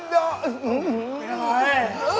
เป็นอะไร